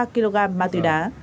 ba kg mặt tư đá